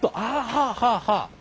はあはあはあ。